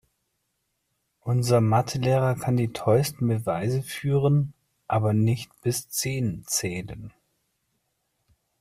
Unser Mathe-Lehrer kann die tollsten Beweise führen, aber nicht bis zehn zählen.